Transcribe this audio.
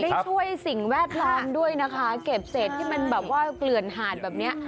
ช่วยสิ่งแวดล้อมด้วยนะคะเก็บเศษที่มันแบบว่าเกลื่อนหาดแบบเนี้ย